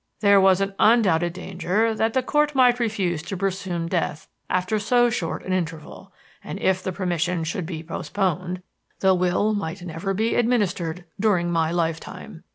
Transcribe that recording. "There was an undoubted danger that the Court might refuse to presume death after so short an interval; and if the permission should be postponed, the will might never be administered during my lifetime.